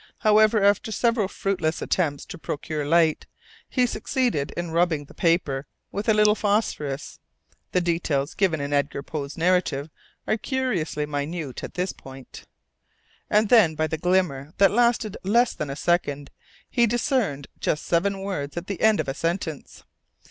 However, after several fruitless attempts to procure a light, he succeeded in rubbing the paper with a little phosphorus (the details given in Edgar Poe's narrative are curiously minute at this point) and then by the glimmer that lasted less than a second he discerned just seven words at the end of a sentence.